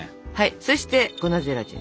そして粉ゼラチン。